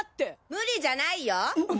無理じゃないよ！